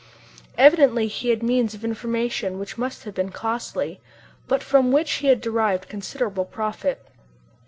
Evidently he had means of information which must have been costly, but from which he has derived considerable profit.